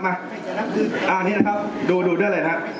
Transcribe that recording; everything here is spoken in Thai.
อันนี้นะครับดูดูด้วยเลยนะครับ